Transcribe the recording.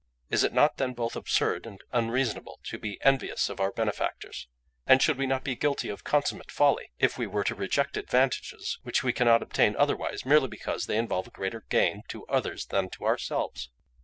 Is it not then both absurd and unreasonable to be envious of our benefactors? And should we not be guilty of consummate folly if we were to reject advantages which we cannot obtain otherwise, merely because they involve a greater gain to others than to ourselves?